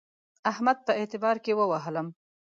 احمد په اعتبار کې ووهلم.